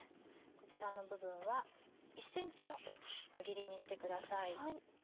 こちらの部分は１ｃｍの輪切りにしてください。